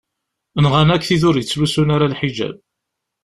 Nɣan akk tid ur yettlusun ara lḥijab.